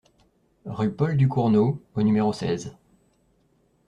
Rue Paul Ducournau au numéro seize